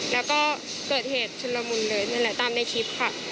แล้วก็เกิดเหตุชุนละมุนเลยนั่นแหละตามในคลิปค่ะ